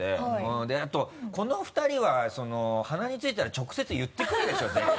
であとこの２人は鼻についたら直接言ってくるでしょ絶対。